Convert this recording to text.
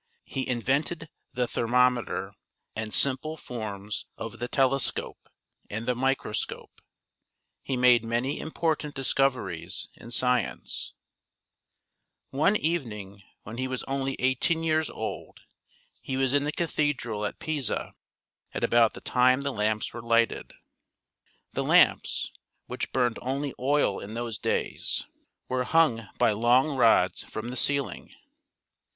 He invented the thermometer and simple forms of the telescope and the microscope. He made many important dis coveries in science. 34 GALILEO AND THE LAMPS 35 One evening when he was only eighteen years old he was in the cathedral at Pisa at about the time the lamps were lighted. The lamps — which burned only oil in those days — were hung by long rods from the ceiling.